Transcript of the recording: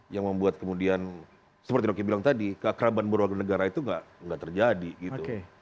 yang membuat kemudian seperti dokter bilang tadi keakraban berwarga negara itu gak terjadi gitu